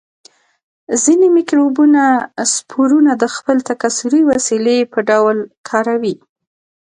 ځینې مکروبونه سپورونه د خپل تکثري وسیلې په ډول کاروي.